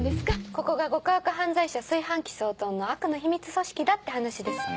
ここが極悪犯罪者炊飯器総統の悪の秘密組織だって話です。